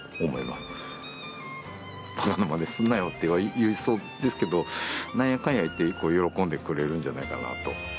「ばかなまねするなよ」とは言いそうですけどなんやかんや言って喜んでくれるんじゃないかなと。